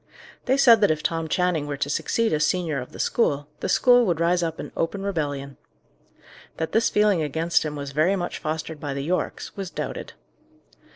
They said that if Tom Channing were to succeed as senior of the school, the school would rise up in open rebellion. That this feeling against him was very much fostered by the Yorkes, was doubted.